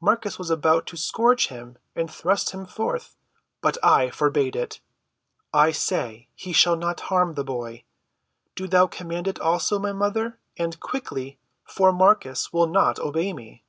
Marcus was about to scourge him and thrust him forth, but I forbade it. I say he shall not harm the boy. Do thou command it also, my mother—and quickly, for Marcus will not obey me."